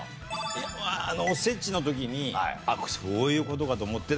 おせちの時にそういう事かと思って。